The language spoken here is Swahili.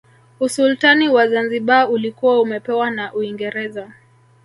Usultani wa Zanzibar ulikuwa umepewa na Uingereza